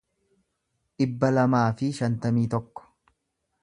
dhibba lamaa fi shantamii tokko